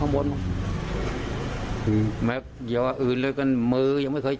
ลงปื้นแล้วอยู่ตอนลงตอนล้มลุงอยู่ไหนฮะ